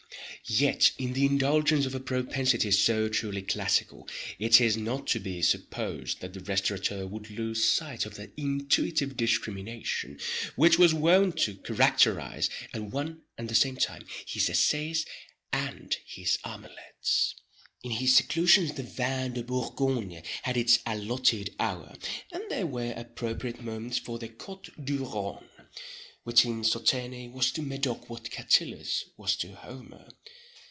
Yet in the indulgence of a propensity so truly classical, it is not to be supposed that the restaurateur would lose sight of that intuitive discrimination which was wont to characterize, at one and the same time, his essais and his omelettes. In his seclusions the Vin de Bourgogne had its allotted hour, and there were appropriate moments for the Cotes du Rhone. With him Sauterne was to Medoc what Catullus was to Homer.